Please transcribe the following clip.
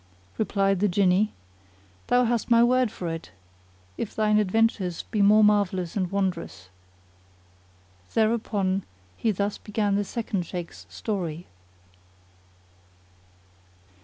Replied the Jinni, "Thou hast my word for it, if thine adventures be more marvellous and wondrous." Thereupon he thus began The Second Shaykh's Story.